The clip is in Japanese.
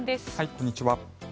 こんにちは。